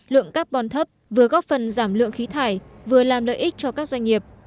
lượng carbon thấp vừa góp phần giảm lượng khí thải vừa làm lợi ích cho các doanh nghiệp